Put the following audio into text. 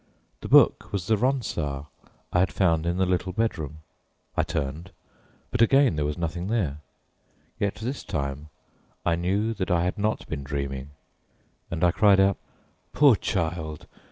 The book was the Ronsard I had found in the little bedroom. I turned, but again there was nothing there. Yet this time I knew that I had not been dreaming, and I cried out: "Poor child!